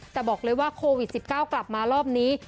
แต่บอกเลยว่าโควิด๑๙กลับมารอบนี้